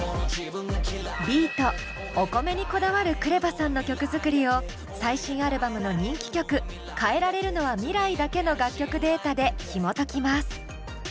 ビート・お米にこだわるＫＲＥＶＡさんの曲作りを最新アルバムの人気曲「変えられるのは未来だけ」の楽曲データでひもときます。